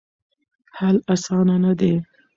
حل اسانه نه دی.